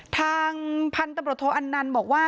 ทางพันธุ์ตำรวจโทอันนันต์บอกว่า